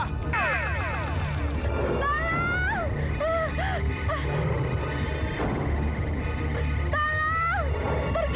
aku nggak ngerti research